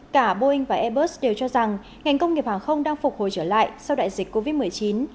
cả boeing và airbus đều cho rằng ngành công nghiệp hàng không đang phục hồi trở lại sau đại dịch covid một mươi chín